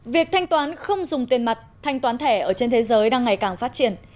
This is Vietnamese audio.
việc thanh toán không dùng tiền mặt thanh toán thẻ ở trên thế giới đang ngày càng phát triển